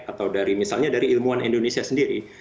atau dari misalnya dari ilmuwan indonesia sendiri